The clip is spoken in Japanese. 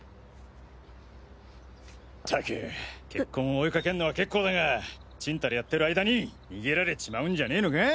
ったく血痕を追いかけるのは結構だがちんたらやってる間に逃げられちまうんじゃねえのか？